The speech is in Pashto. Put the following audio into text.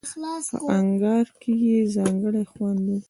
په انگار کې یې ځانګړی خوند وي.